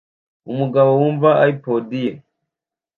umugabo wumva iPod ye